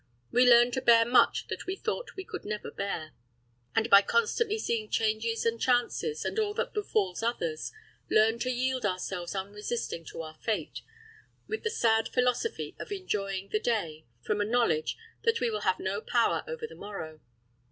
We learn to bear much that we thought we could never bear; and by constantly seeing changes and chances, and all that befalls others, learn to yield ourselves unresisting to our fate, with the sad philosophy of enjoying the day, from a knowledge that we have no power over the morrow.